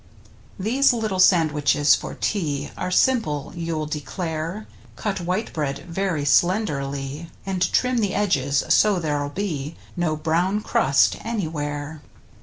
These little sandwiches for tea Are simple, you'll declare. Cut white bread very slenderly, And trim the edges, so there'll be No brown crust anywhere.